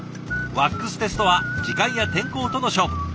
ワックステストは時間や天候との勝負。